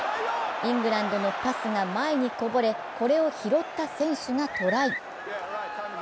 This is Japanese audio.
イングランドのパスが前にこぼれこれを拾った選手がトライ。